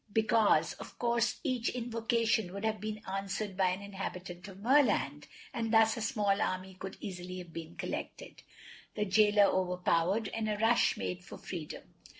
Because of course each invocation would have been answered by an inhabitant of Merland, and thus a small army could easily have been collected, the Jailer overpowered and a rush made for freedom.